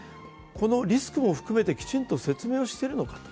このリスクを含めてきちんと説明しているのか。